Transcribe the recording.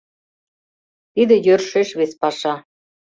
Тиде йӧршеш вес паша.